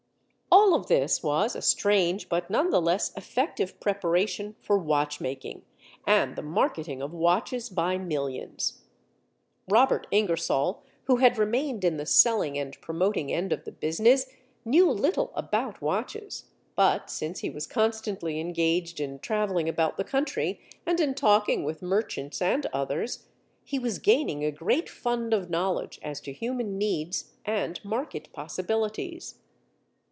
All of this was a strange but none the less effective preparation for watch making and the marketing of watches by millions. Robert Ingersoll, who had remained in the selling and promoting end of the business, knew little about watches, but since he was constantly engaged in traveling about the country and in talking with merchants and others, he was gaining a great fund of knowledge as to human needs and market possibilities.